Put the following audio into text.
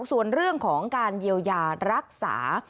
ส่วนเรื่องของการเยียวยารักษา